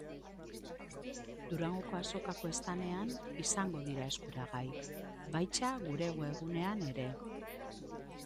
Durangoko Azokako standean izango dira eskuragai, baita gure webgunean ere.